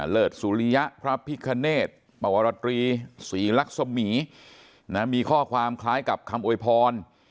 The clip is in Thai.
เลิศสุริยะพระพิคเนธปวรตรีศรีลักษมีข้อความคล้ายกับคำอวยพร